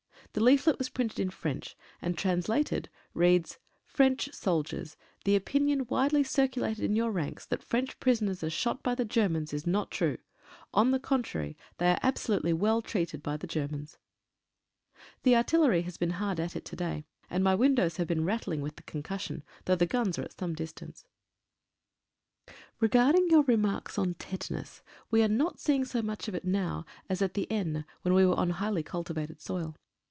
The leaflet was printed in French, and translated, reads: — "FRENCH SOLDIERS'. "The opinion widely circulated in your ranks that "French prisoners are shot by the Germans is not true. "On the contrary, they are absolutely well treated by "the Germans." The artillery has been hard at it to day, and my windows have been rattling with the concussion, though the guns are some distance. 31 MEDICAL TREATMENT. Replying to questions in correspondence (See Page 17.) "Re your remarks on Tetanus : We are not seeing so much of it now, as at the Aisne, when we were on highly cultivated soil.